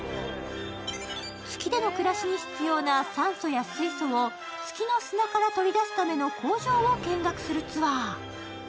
月での暮らしに必要な酸素や水素を月の砂から取り出すための工場を見学するツアー。